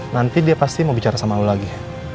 nanti dia pasti mau bicara sama allah lagi